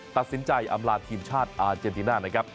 ตัดสินใจอำลาทีมชาติอาเจนติน่านะครับ